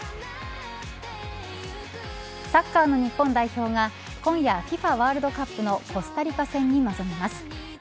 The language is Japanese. サッカーの日本代表が今夜、ＦＩＦＡワールドカップのコスタリカ戦に臨みます。